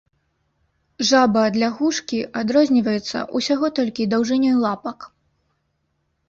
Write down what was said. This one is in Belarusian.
Жаба ад лягушкі адрозніваецца ўсяго толькі даўжынёй лапак.